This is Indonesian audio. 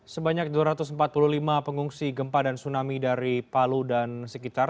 sebanyak dua ratus empat puluh lima pengungsi gempa dan tsunami dari palu dan sekitar